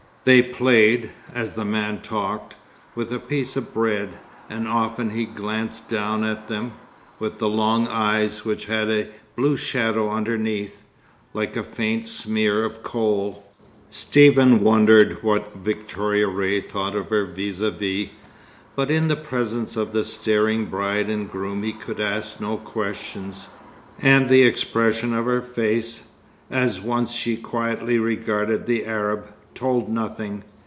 They played, as the man talked, with a piece of bread, and often he glanced down at them, with the long eyes which had a blue shadow underneath, like a faint smear of kohl. Stephen wondered what Victoria Ray thought of her vis à vis; but in the presence of the staring bride and groom he could ask no questions, and the expression of her face, as once she quietly regarded the Arab, told nothing.